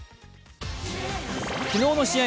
昨日の試合